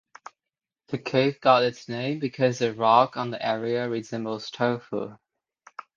The cape got its name because the rock on the area resembles tofu.